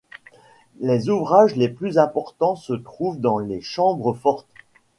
Les ouvrages les plus importants se trouvent dans les chambres fortes.